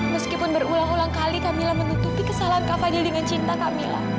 meskipun berulang ulang kali kamila menutupi kesalahan kampanye dengan cinta kamila